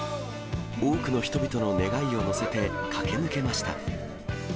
多くの人々の願いを乗せて、駆け抜けました。